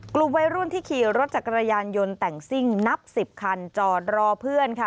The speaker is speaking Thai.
กลุ่มวัยรุ่นที่ขี่รถจักรยานยนต์แต่งซิ่งนับ๑๐คันจอดรอเพื่อนค่ะ